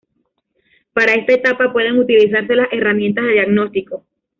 Para esta etapa pueden utilizarse las Herramientas de diagnóstico.